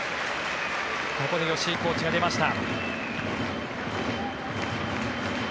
ここで吉井コーチが出ました。